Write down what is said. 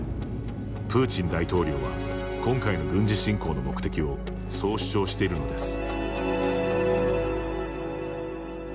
プーチン大統領は今回の軍事侵攻の目的をそう主張しているのです。